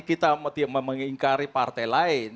kita mengingkari partai lain